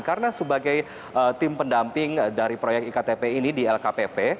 karena sebagai tim pendamping dari proyek iktp ini di lkpp